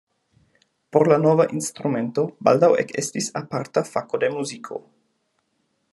Por la nova instrumento baldaŭ ekestis aparta fako de muziko.